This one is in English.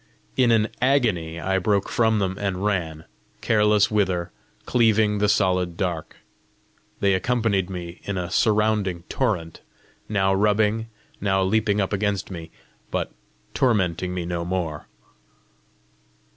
In an agony I broke from them and ran, careless whither, cleaving the solid dark. They accompanied me in a surrounding torrent, now rubbing, now leaping up against me, but tormenting me no more.